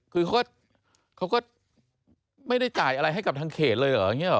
คือเขาก็ไม่ได้จ่ายอะไรให้กับทางเขตเลยเหรอ